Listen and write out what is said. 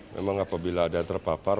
memang apabila ada yang terpapar